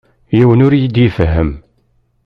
Yiwen ur yi-d-ifehhem.